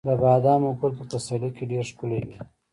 د بادامو ګل په پسرلي کې ډیر ښکلی وي.